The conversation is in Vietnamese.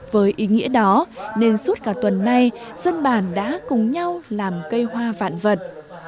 với ý nghĩa đó nên suốt cả tuần nay dân bản đã cùng nhau làm cây hoa vạn vật